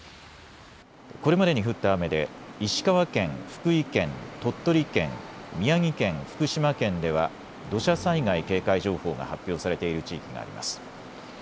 これまでに降った雨で石川県、福井県、鳥取県、宮城県、福島県では土砂災害警戒情報が発表されている地域があります。